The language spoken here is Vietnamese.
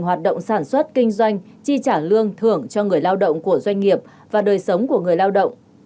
hoạt động sản xuất kinh doanh chi trả lương thưởng cho người lao động của doanh nghiệp và đời sống của người lao động